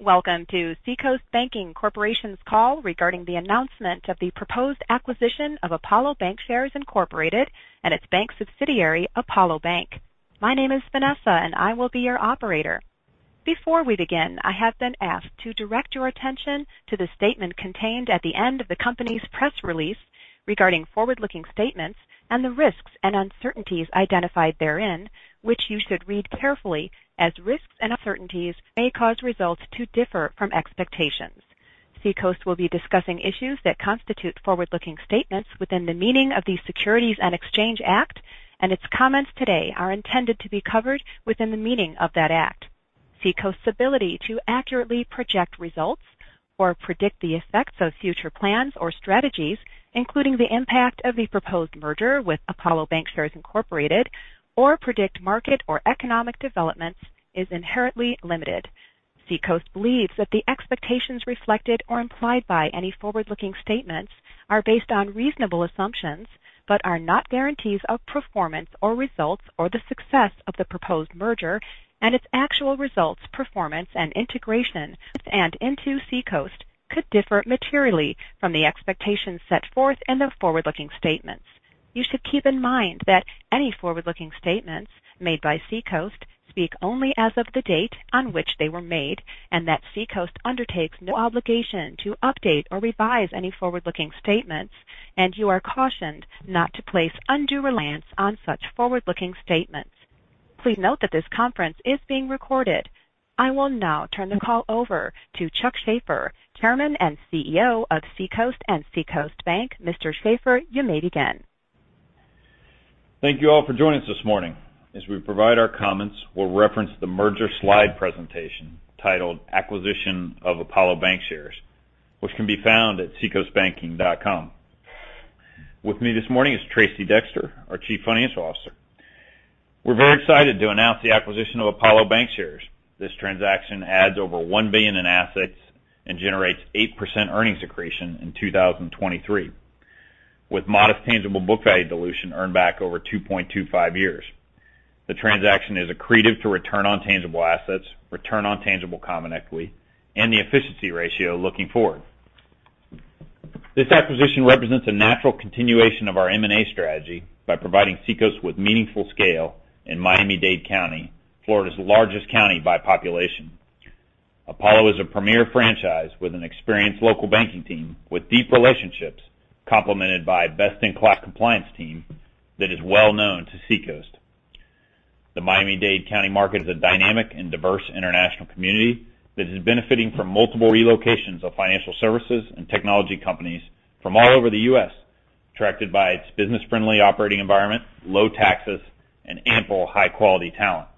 Welcome to Seacoast Banking Corporation's call regarding the announcement of the proposed acquisition of Apollo Bancshares, Inc. and its bank subsidiary, Apollo Bank. My name is Vanessa, and I will be your operator. Before we begin, I have been asked to direct your attention to the statement contained at the end of the company's press release regarding forward-looking statements and the risks and uncertainties identified therein, which you should read carefully as risks and uncertainties may cause results to differ from expectations. Seacoast will be discussing issues that constitute forward-looking statements within the meaning of the Securities Exchange Act, and its comments today are intended to be covered within the meaning of that act. Seacoast's ability to accurately project results or predict the effects of future plans or strategies, including the impact of the proposed merger with Apollo Bancshares, Inc. or predict market or economic developments, is inherently limited. Seacoast believes that the expectations reflected or implied by any forward-looking statements are based on reasonable assumptions but are not guarantees of performance or results or the success of the proposed merger and its actual results, performance, and integration into Seacoast could differ materially from the expectations set forth in the forward-looking statements. You should keep in mind that any forward-looking statements made by Seacoast speak only as of the date on which they were made, and that Seacoast undertakes no obligation to update or revise any forward-looking statements, and you are cautioned not to place undue reliance on such forward-looking statements. Please note that this conference is being recorded. I will now turn the call over to Chuck Shaffer, Chairman and CEO of Seacoast and Seacoast Bank. Mr. Shaffer, you may begin. Thank you all for joining us this morning. As we provide our comments, we'll reference the merger slide presentation titled Acquisition of Apollo Bancshares, which can be found at seacoastbanking.com. With me this morning is Tracey Dexter, our Chief Financial Officer. We're very excited to announce the acquisition of Apollo Bancshares. This transaction adds over $1 billion in assets and generates 8% earnings accretion in 2023, with modest tangible book value dilution earned back over 2.25 years. The transaction is accretive to return on tangible assets, return on tangible common equity, and the efficiency ratio looking forward. This acquisition represents a natural continuation of our M&A strategy by providing Seacoast with meaningful scale in Miami-Dade County, Florida's largest county by population. Apollo is a premier franchise with an experienced local banking team with deep relationships, complemented by best-in-class compliance team that is well-known to Seacoast. The Miami-Dade County market is a dynamic and diverse international community that is benefiting from multiple relocations of financial services and technology companies from all over the US, attracted by its business-friendly operating environment, low taxes, and ample high-quality talent.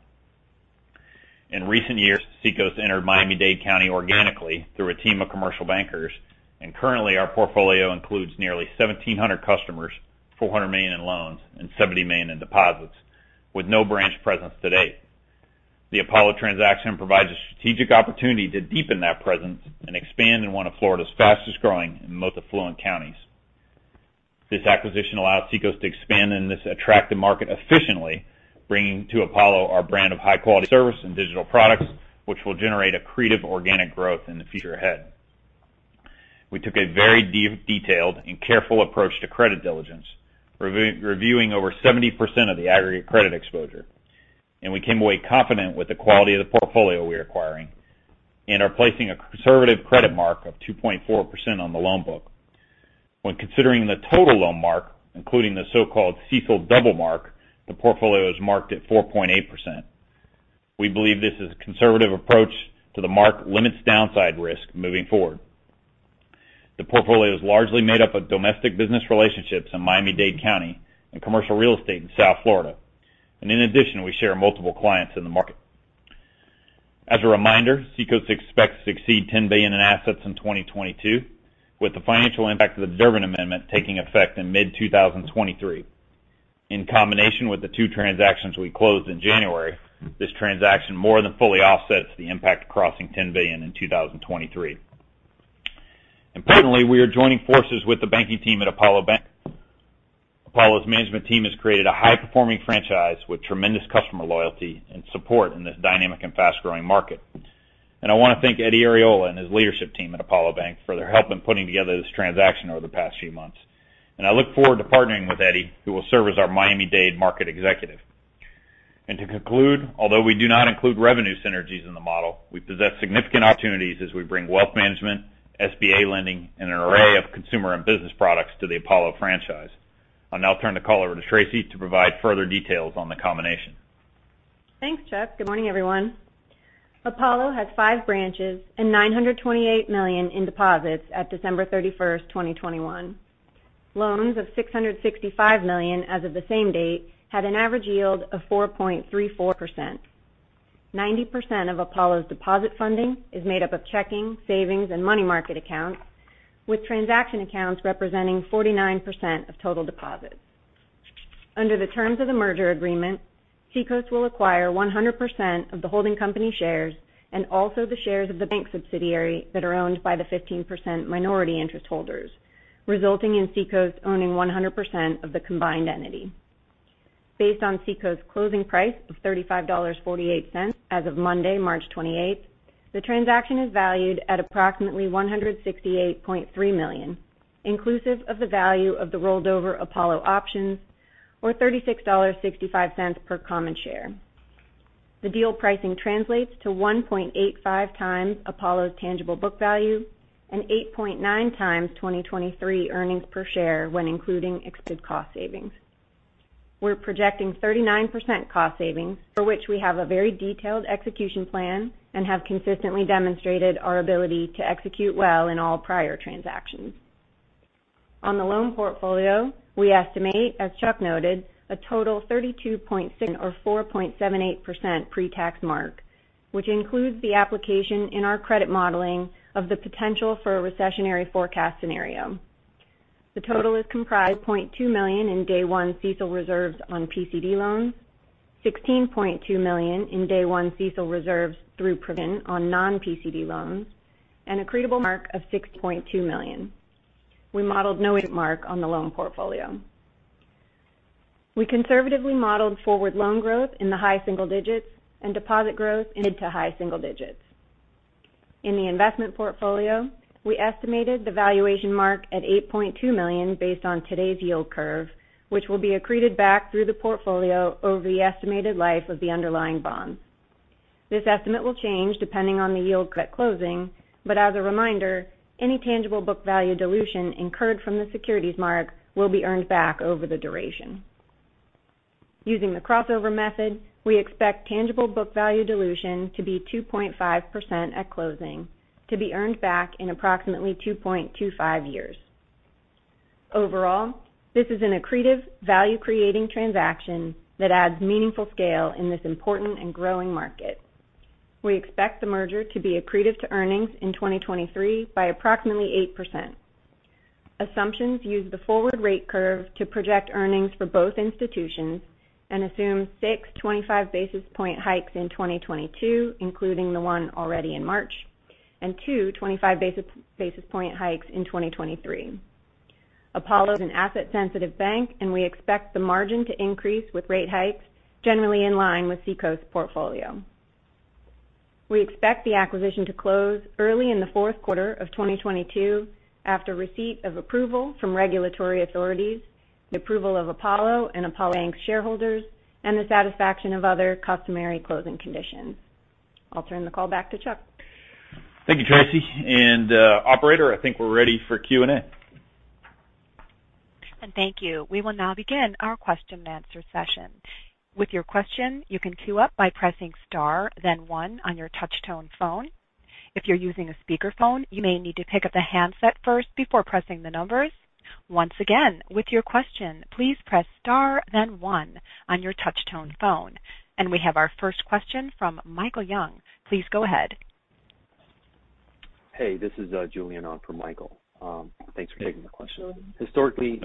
In recent years, Seacoast entered Miami-Dade County organically through a team of commercial bankers, and currently, our portfolio includes nearly 1,700 customers, $400 million in loans, and $70 million in deposits, with no branch presence to date. The Apollo transaction provides a strategic opportunity to deepen that presence and expand in one of Florida's fastest-growing and most affluent counties. This acquisition allows Seacoast to expand in this attractive market efficiently, bringing to Apollo our brand of high-quality service and digital products, which will generate accretive organic growth in the future ahead. We took a very detailed and careful approach to credit diligence, reviewing over 70% of the aggregate credit exposure, and we came away confident with the quality of the portfolio we are acquiring and are placing a conservative credit mark of 2.4% on the loan book. When considering the total loan mark, including the so-called CECL double mark, the portfolio is marked at 4.8%. We believe this is conservative approach to the mark limits downside risk moving forward. The portfolio is largely made up of domestic business relationships in Miami-Dade County and commercial real estate in South Florida. In addition, we share multiple clients in the market. As a reminder, Seacoast expects to exceed $10 billion in assets in 2022, with the financial impact of the Durbin Amendment taking effect in mid-2023. In combination with the two transactions we closed in January, this transaction more than fully offsets the impact of crossing $10 billion in 2023. Importantly, we are joining forces with the banking team at Apollo Bank. Apollo's management team has created a high-performing franchise with tremendous customer loyalty and support in this dynamic and fast-growing market. I wanna thank Eddy Arriola and his leadership team at Apollo Bank for their help in putting together this transaction over the past few months. I look forward to partnering with Eddy, who will serve as our Miami-Dade market executive. To conclude, although we do not include revenue synergies in the model, we possess significant opportunities as we bring wealth management, SBA lending, and an array of consumer and business products to the Apollo franchise. I'll now turn the call over to Tracey to provide further details on the combination. Thanks, Chuck. Good morning, everyone. Apollo has five branches and $928 million in deposits at December 31, 2021. Loans of $665 million as of the same date had an average yield of 4.34%. 90% of Apollo's deposit funding is made up of checking, savings, and money market accounts, with transaction accounts representing 49% of total deposits. Under the terms of the merger agreement, Seacoast will acquire 100% of the holding company shares and also the shares of the bank subsidiary that are owned by the 15% minority interest holders. Resulting in Seacoast owning 100% of the combined entity. Based on Seacoast closing price of $35.48 as of Monday, March 28, the transaction is valued at approximately $168.3 million, inclusive of the value of the rolled over Apollo options or $36.65 per common share. The deal pricing translates to 1.85x Apollo's tangible book value and 8.9x 2023 earnings per share when including expected cost savings. We're projecting 39% cost savings for which we have a very detailed execution plan and have consistently demonstrated our ability to execute well in all prior transactions. On the loan portfolio, we estimate, as Chuck noted, a total $32.6 million or 4.78% pretax mark, which includes the application in our credit modeling of the potential for a recessionary forecast scenario. The total is comprised $0.2 million in day one CECL reserves on PCD loans, $16.2 million in day one CECL reserves through provision on non-PCD loans, and accretable mark of $6.2 million. We modeled no interest mark on the loan portfolio. We conservatively modeled forward loan growth in the high single digits and deposit growth in mid-to-high single digits. In the investment portfolio, we estimated the valuation mark at $8.2 million based on today's yield curve, which will be accreted back through the portfolio over the estimated life of the underlying bonds. This estimate will change depending on the yield curve at closing. As a reminder, any tangible book value dilution incurred from the securities mark will be earned back over the duration. Using the crossover method, we expect tangible book value dilution to be 2.5% at closing to be earned back in approximately 2.25 years. Overall, this is an accretive value-creating transaction that adds meaningful scale in this important and growing market. We expect the merger to be accretive to earnings in 2023 by approximately 8%. Assumptions use the forward rate curve to project earnings for both institutions and assume 625 basis point hikes in 2022, including the one already in March, and 225 basis point hikes in 2023. Apollo is an asset sensitive bank, and we expect the margin to increase with rate hikes generally in line with Seacoast portfolio. We expect the acquisition to close early in the fourth quarter of 2022 after receipt of approval from regulatory authorities, the approval of Apollo and Apollo Bank shareholders, and the satisfaction of other customary closing conditions. I'll turn the call back to Chuck. Thank you, Tracey. Operator, I think we're ready for Q&A. Thank you. We will now begin our question-and-answer session. With your question, you can queue up by pressing star then one on your touch tone phone. If you're using a speakerphone, you may need to pick up the handset first before pressing the numbers. Once again, with your question, please press star then one on your touch tone phone. We have our first question from Michael Young. Please go ahead. Hey, this is Julian on for Michael. Thanks for taking the question. Hey. No problem. Historically,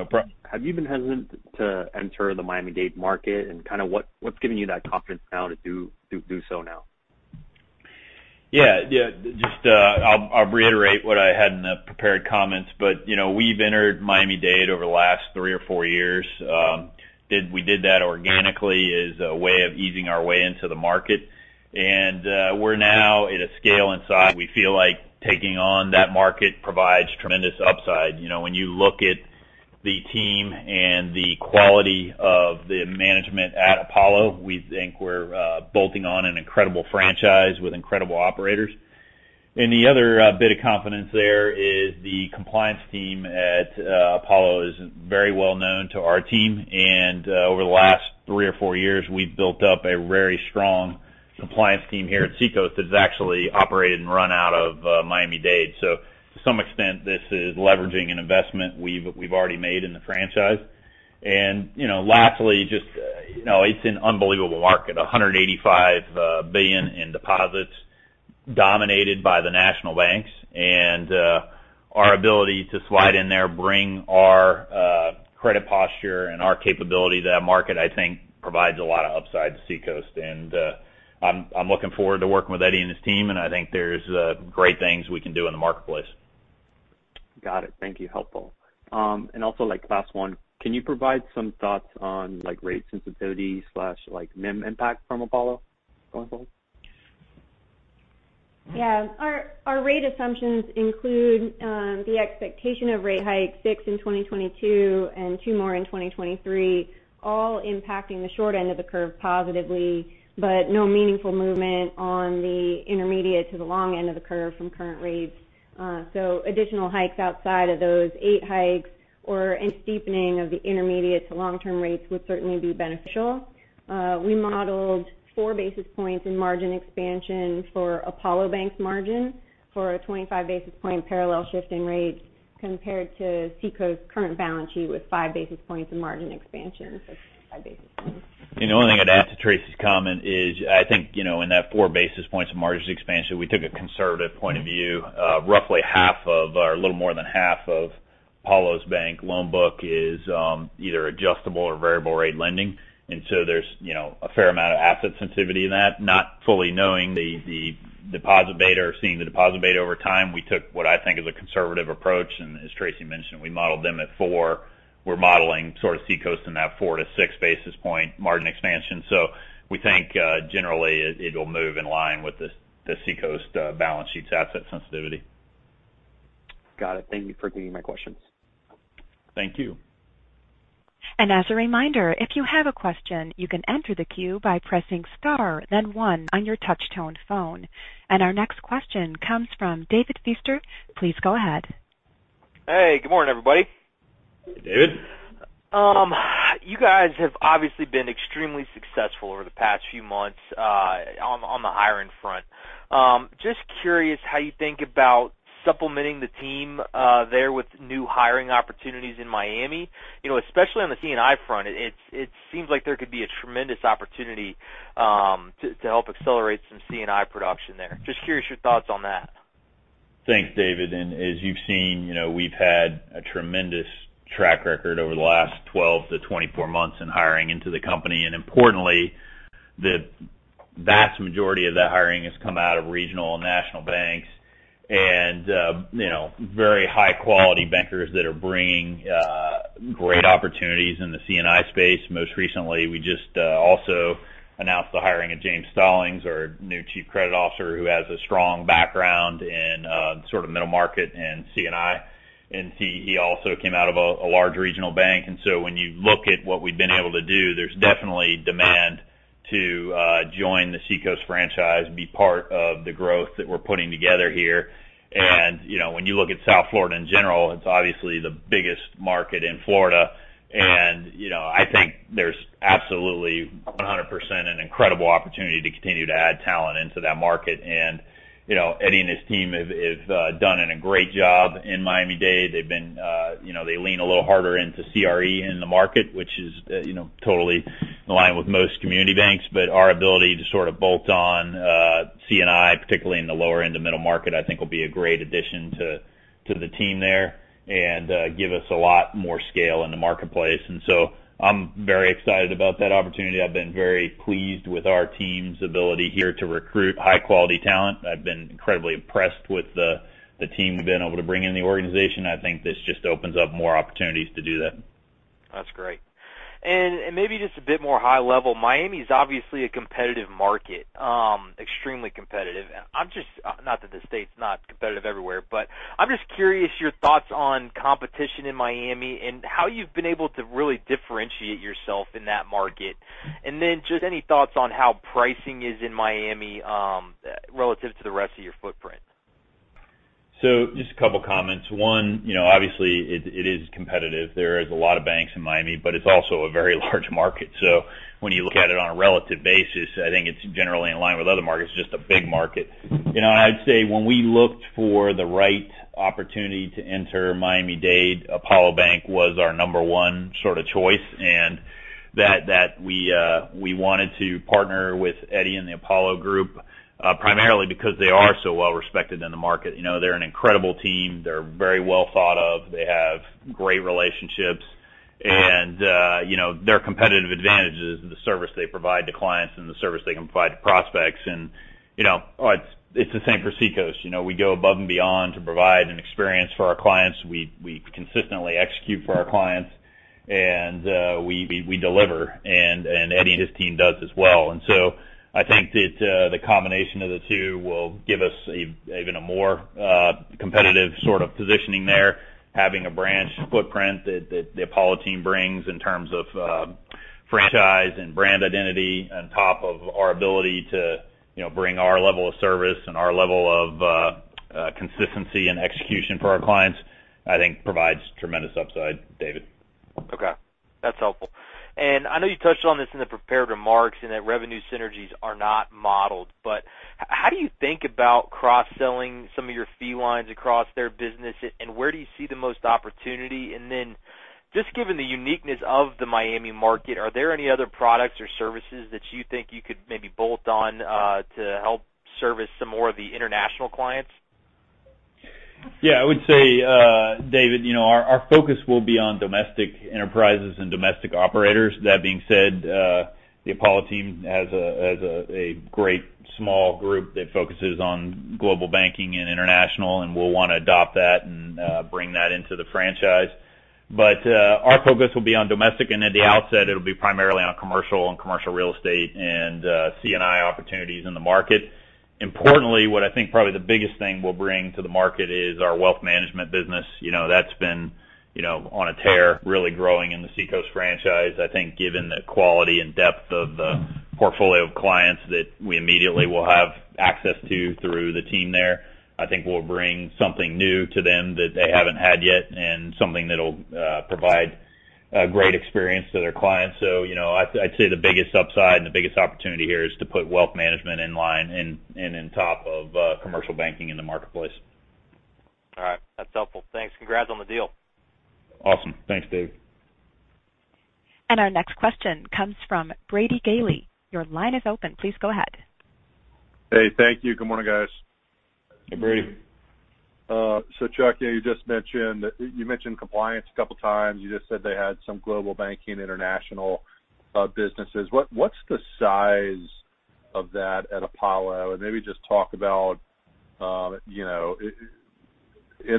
have you been hesitant to enter the Miami-Dade market? Kind of, what's giving you that confidence now to do so now? I'll reiterate what I had in the prepared comments. You know, we've entered Miami-Dade over the last three or four years. We did that organically as a way of easing our way into the market. We're now at a scale and size we feel like taking on that market provides tremendous upside. You know, when you look at the team and the quality of the management at Apollo, we think we're bolting on an incredible franchise with incredible operators. The other bit of confidence there is the compliance team at Apollo is very well known to our team. Over the last three or four years, we've built up a very strong compliance team here at Seacoast that has actually operated and run out of Miami-Dade. To some extent, this is leveraging an investment we've already made in the franchise. You know, lastly, just, you know, it's an unbelievable market, $185 billion in deposits dominated by the national banks. Our ability to slide in there, bring our credit posture and our capability to that market, I think provides a lot of upside to Seacoast. I'm looking forward to working with Eddy and his team, and I think there's great things we can do in the marketplace. Got it. Thank you. Helpful. Also like last one, can you provide some thoughts on like rate sensitivity slash like NIM impact from Apollo going forward? Yeah. Our rate assumptions include the expectation of rate hikes six in 2022 and two more in 2023, all impacting the short end of the curve positively, but no meaningful movement on the intermediate to the long end of the curve from current rates. Additional hikes outside of those eight hikes or any steepening of the intermediate to long-term rates would certainly be beneficial. We modeled 4 basis points in margin expansion for Apollo Bank's margin for a 25-basis point parallel shift in rates compared to Seacoast current balance sheet with 5 basis points in margin expansion. Five basis points. The only thing I'd add to Tracey's comment is I think, you know, in that four basis points of margin expansion, we took a conservative point of view. Roughly half or a little more than half of Apollo Bank's loan book is either adjustable or variable rate lending. There's, you know, a fair amount of asset sensitivity in that, not fully knowing the deposit beta or seeing the deposit beta over time. We took what I think is a conservative approach, and as Tracey mentioned, we modeled them at four. We're modeling sort of Seacoast in that four to six basis point margin expansion. We think generally it'll move in line with the Seacoast balance sheet's asset sensitivity. Got it. Thank you for taking my questions. Thank you. As a reminder, if you have a question, you can enter the queue by pressing star then one on your touch tone phone. Our next question comes from David Feaster. Please go ahead. Hey, good morning, everybody. Hey, David. You guys have obviously been extremely successful over the past few months on the hiring front. Just curious how you think about supplementing the team there with new hiring opportunities in Miami. You know, especially on the C&I front, it seems like there could be a tremendous opportunity to help accelerate some C&I production there. Just curious your thoughts on that. Thanks, David. As you've seen, you know, we've had a tremendous track record over the last 12-24 months in hiring into the company. Importantly, the vast majority of that hiring has come out of regional and national banks and, you know, very high quality bankers that are bringing great opportunities in the C&I space. Most recently, we just also announced the hiring of James Stallings, our new Chief Credit Officer, who has a strong background in sort of middle market and C&I. He also came out of a large regional bank. When you look at what we've been able to do, there's definitely demand to join the Seacoast franchise and be part of the growth that we're putting together here. You know, when you look at South Florida in general, it's obviously the biggest market in Florida. You know, I think there's absolutely 100% an incredible opportunity to continue to add talent into that market. You know, Eddie and his team have done a great job in Miami-Dade. They've been, you know, they lean a little harder into CRE in the market, which is, you know, totally in line with most community banks. Our ability to sort of bolt on C&I, particularly in the lower end of middle market, I think will be a great addition to the team there and give us a lot more scale in the marketplace. I'm very excited about that opportunity. I've been very pleased with our team's ability here to recruit high quality talent. I've been incredibly impressed with the team we've been able to bring in the organization. I think this just opens up more opportunities to do that. That's great. Maybe just a bit more high level, Miami is obviously a competitive market, extremely competitive. Not that the state's not competitive everywhere, but I'm just curious your thoughts on competition in Miami and how you've been able to really differentiate yourself in that market. Just any thoughts on how pricing is in Miami, relative to the rest of your footprint. Just a couple comments. One, you know, obviously it is competitive. There is a lot of banks in Miami, but it's also a very large market. When you look at it on a relative basis, I think it's generally in line with other markets, just a big market. You know, I'd say when we looked for the right opportunity to enter Miami-Dade, Apollo Bank was our number one sort of choice, and that we wanted to partner with Eddie and the Apollo Group, primarily because they are so well respected in the market. You know, they're an incredible team, they're very well thought of, they have great relationships, and you know, their competitive advantage is the service they provide to clients and the service they can provide to prospects. You know, it's the same for Seacoast. You know, we go above and beyond to provide an experience for our clients. We consistently execute for our clients, and we deliver, and Eddie and his team does as well. I think that the combination of the two will give us even a more competitive sort of positioning there. Having a branch footprint that the Apollo team brings in terms of franchise and brand identity on top of our ability to, you know, bring our level of service and our level of consistency and execution for our clients, I think provides tremendous upside, David. Okay, that's helpful. I know you touched on this in the prepared remarks and that revenue synergies are not modeled, but how do you think about cross-selling some of your fee lines across their business? Where do you see the most opportunity? Just given the uniqueness of the Miami market, are there any other products or services that you think you could maybe bolt on, to help service some more of the international clients? Yeah, I would say, David, you know, our focus will be on domestic enterprises and domestic operators. That being said, the Apollo team has a great small group that focuses on global banking and international, and we'll want to adopt that and bring that into the franchise. Our focus will be on domestic, and at the outset it'll be primarily on commercial and commercial real estate and C&I opportunities in the market. Importantly, what I think probably the biggest thing we'll bring to the market is our wealth management business. You know, that's been, you know, on a tear really growing in the Seacoast franchise. I think given the quality and depth of the portfolio of clients that we immediately will have access to through the team there, I think we'll bring something new to them that they haven't had yet and something that'll provide a great experience to their clients. You know, I'd say the biggest upside and the biggest opportunity here is to put wealth management in line and on top of commercial banking in the marketplace. All right. That's helpful. Thanks. Congrats on the deal. Awesome. Thanks, David. Our next question comes from Brady Gailey. Your line is open. Please go ahead. Hey, thank you. Good morning, guys. Hey, Brady. Chuck, you just mentioned compliance a couple times. You just said they had some global banking international businesses. What's the size of that at Apollo? And maybe just talk about in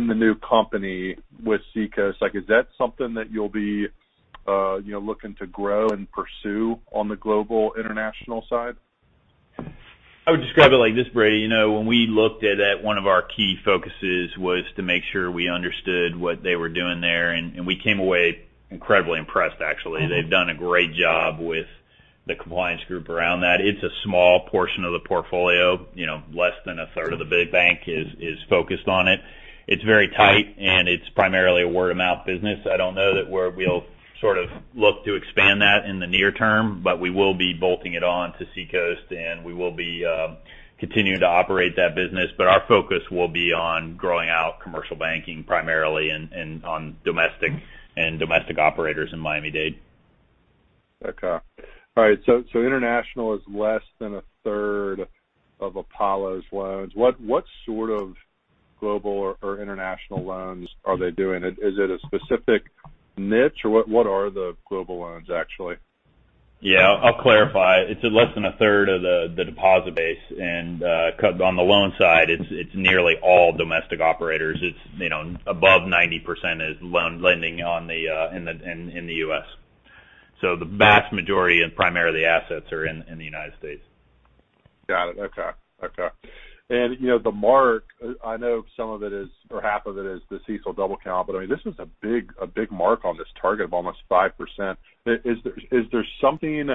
the new company with Seacoast. Is that something that you'll be looking to grow and pursue on the global international side? I would describe it like this, Brady. You know, when we looked at it, one of our key focuses was to make sure we understood what they were doing there, and we came away incredibly impressed, actually. Mm-hmm. They've done a great job with the compliance group around that. It's a small portion of the portfolio, you know, less than a third of the big bank is focused on it. It's very tight, and it's primarily a word-of-mouth business. I don't know that we'll sort of look to expand that in the near term, but we will be bolting it on to Seacoast and we will be continuing to operate that business. But our focus will be on growing out commercial banking primarily and on domestic operators in Miami-Dade. Okay. All right. International is less than a third of Apollo's loans. What sort of global or international loans are they doing? Is it a specific niche or what are the global loans actually? Yeah. I'll clarify. It's less than a third of the deposit base. On the loan side, it's nearly all domestic operators. It's, you know, above 90% is lending in the US. The vast majority and primary of the assets are in the United States. Got it. Okay. You know, the mark, I know some of it is, or half of it is the CECL double count, but I mean, this is a big mark on this target of almost 5%. Is there something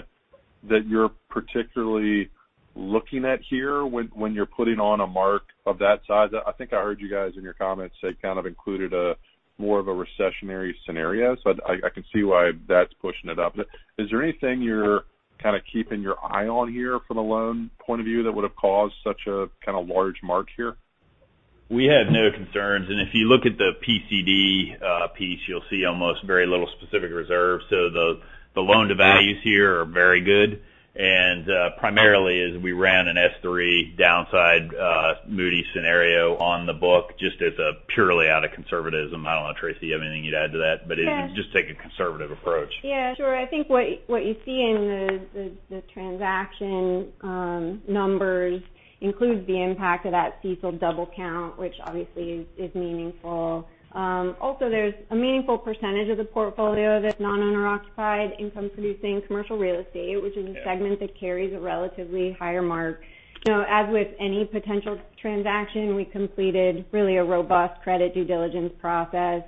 that you're particularly looking at here when you're putting on a mark of that size? I think I heard you guys in your comments say kind of included a more of a recessionary scenario. I can see why that's pushing it up. Is there anything you're kind of keeping your eye on here from a loan point of view that would have caused such a kind of large mark here? We have no concerns. If you look at the PCD piece, you'll see almost very little specific reserves. The loan-to-values here are very good. Primarily is we ran an S3 downside Moody's scenario on the book just as a purely out of conservatism. I don't know, Tracey, if you have anything you'd add to that. Yeah. It was just to take a conservative approach. Yeah, sure. I think what you see in the transaction numbers includes the impact of that CECL double count, which obviously is meaningful. Also there's a meaningful percentage of the portfolio that's non-owner occupied income producing commercial real estate, which is a segment that carries a relatively higher mark. You know, as with any potential transaction, we completed really a robust credit due diligence process.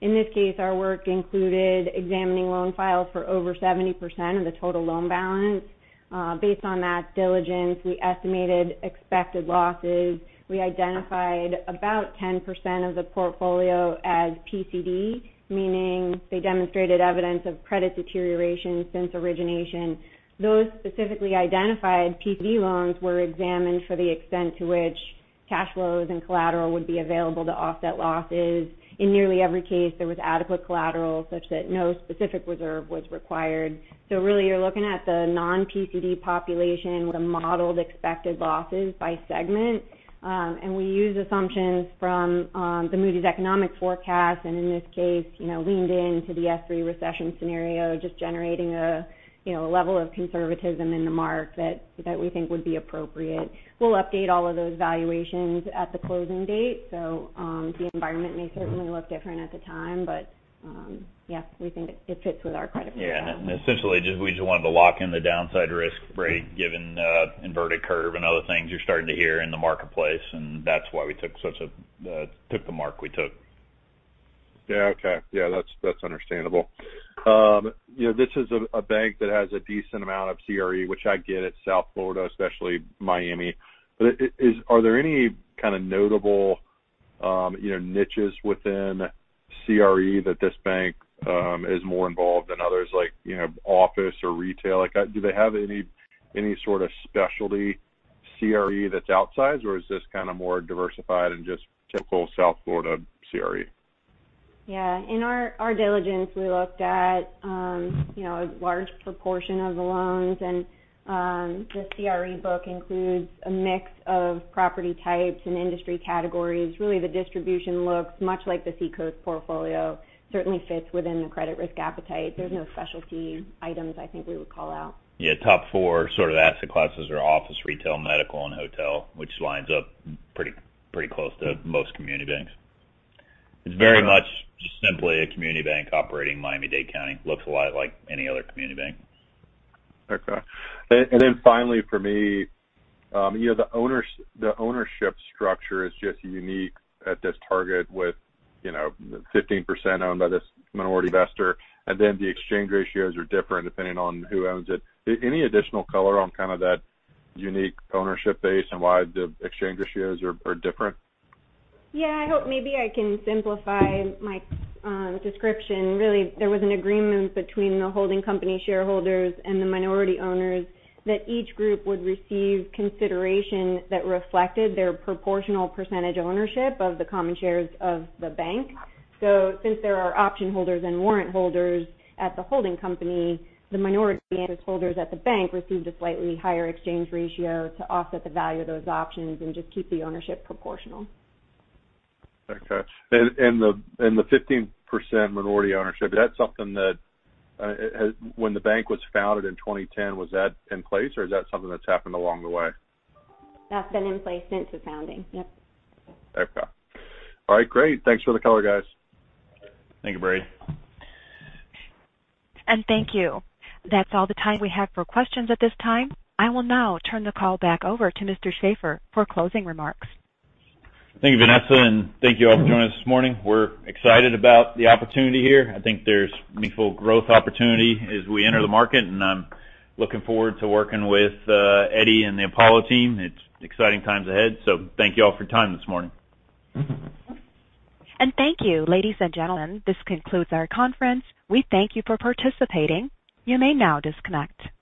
In this case, our work included examining loan files for over 70% of the total loan balance. Based on that diligence, we estimated expected losses. We identified about 10% of the portfolio as PCD, meaning they demonstrated evidence of credit deterioration since origination. Those specifically identified PCD loans were examined for the extent to which cash flows and collateral would be available to offset losses. In nearly every case, there was adequate collateral such that no specific reserve was required. Really you're looking at the non-PCD population with a modeled expected losses by segment. And we use assumptions from, the Moody's economic forecast, and in this case, you know, leaned into the S3 recession scenario, just generating a, you know, a level of conservatism in the mark that we think would be appropriate. We'll update all of those valuations at the closing date. The environment may certainly look different at the time, but, yeah, we think it fits with our credit profile. Yeah. Essentially, we just wanted to lock in the downside risk rate given the inverted curve and other things you're starting to hear in the marketplace. That's why we took the mark we took. Yeah. Okay. Yeah. That's understandable. You know, this is a bank that has a decent amount of CRE, which I get it's South Florida, especially Miami. But are there any kind of notable, you know, niches within CRE that this bank is more involved than others like, you know, office or retail? Like, do they have any sort of specialty CRE that's outside or is this kind of more diversified and just typical South Florida CRE? Yeah. In our diligence, we looked at, you know, a large proportion of the loans and the CRE book includes a mix of property types and industry categories. Really, the distribution looks much like the Seacoast portfolio. Certainly fits within the credit risk appetite. There's no specialty items I think we would call out. Yeah. Top four sort of asset classes are office, retail, medical, and hotel, which lines up pretty close to most community banks. Okay. It's very much just simply a community bank operating in Miami-Dade County. Looks a lot like any other community bank. Okay. Then finally for me, you know, the ownership structure is just unique at this target with, you know, 15% owned by this minority investor, and then the exchange ratios are different depending on who owns it. Any additional color on kind of that unique ownership base and why the exchange ratios are different? Yeah. I hope maybe I can simplify my description. Really, there was an agreement between the holding company shareholders and the minority owners that each group would receive consideration that reflected their proportional percentage ownership of the common shares of the bank. Since there are option holders and warrant holders at the holding company, the minority interest holders at the bank received a slightly higher exchange ratio to offset the value of those options and just keep the ownership proportional. Okay. The 15% minority ownership, is that something that when the bank was founded in 2010, was that in place or is that something that's happened along the way? That's been in place since the founding. Yep. Okay. All right. Great. Thanks for the color, guys. Thank you, Brady. Thank you. That's all the time we have for questions at this time. I will now turn the call back over to Mr. Shaffer for closing remarks. Thank you, Vanessa, and thank you all for joining us this morning. We're excited about the opportunity here. I think there's meaningful growth opportunity as we enter the market, and I'm looking forward to working with Eddie and the Apollo team. It's exciting times ahead. Thank you all for your time this morning. Thank you, ladies and gentlemen. This concludes our conference. We thank you for participating. You may now disconnect.